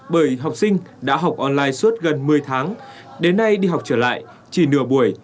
bởi học sinh đã học online suốt gần một mươi tháng đến nay đi học trở lại chỉ nửa buổi